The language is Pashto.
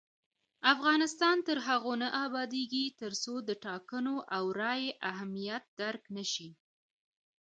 افغانستان تر هغو نه ابادیږي، ترڅو د ټاکنو او رایې اهمیت درک نشي.